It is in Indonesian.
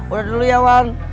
udah dulu ya wan